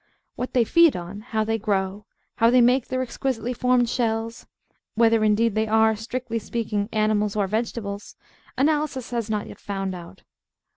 What they feed on, how they grow, how they make their exquisitely formed shells, whether, indeed, they are, strictly speaking, animals or vegetables, Analysis has not yet found out.